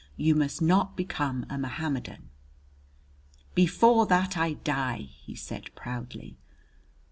You must not become a Mohammedan." "Before that I die!" he said proudly.